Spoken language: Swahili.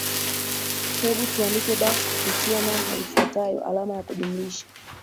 hebu tuandikie basi kupitia namba ifwatayo alama ya kujumlisha